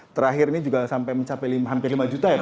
terakhir ini juga sampai mencapai hampir lima juta ya pak